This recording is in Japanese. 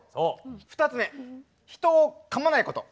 ２つ目人をかまないこと。